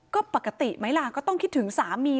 ก็ปกติไหมล่ะก็ต้องคิดถึงสามี